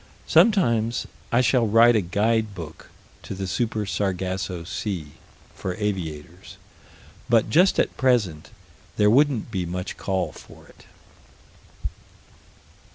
Sometime I shall write a guide book to the Super Sargasso Sea, for aviators, but just at present there wouldn't be much call for it.